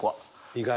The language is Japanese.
意外。